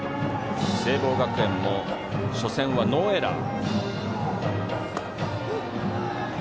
聖望学園も初戦はノーエラー。